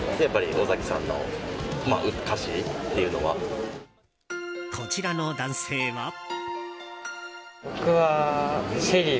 やっぱり尾崎さんの歌詞というのは。こちらの男性は。